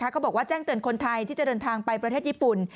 เขาบอกว่าแจ้งเตือนคนไทยที่จะเดินทางไปประเทศญี่ปุ่น